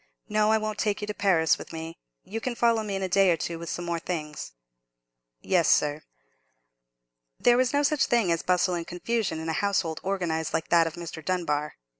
No, I won't take you to Paris with me. You can follow me in a day or two with some more things." "Yes, sir." There was no such thing as bustle and confusion in a household organized like that of Mr. Dunbar.